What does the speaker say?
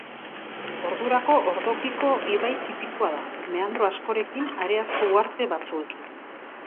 Ordurako ordokiko ibai tipikoa da, meandro askorekin, hareazko uharte batzuekin.